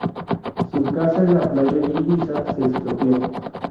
Su casa en la playa de Ibiza se expropió.